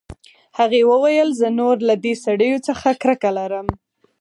هغې وویل زه نور له دې سړیو څخه کرکه لرم